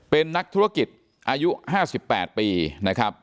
เป็นนักธุรกิจอายุ๕๘ปีนะครับ